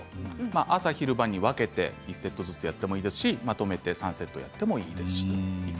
朝昼晩に分けて１セットずつやってもいいですしまとめて３セットやってもいいです。